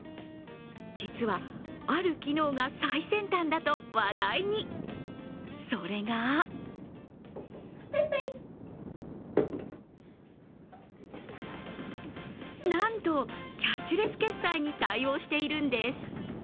実は、ある機能が最先端だと話題にそれがなんとキャッシュレス決済に対応しているんです。